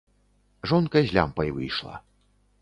Жонка з лямпай выйшла.